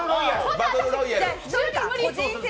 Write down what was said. バトルロイヤル。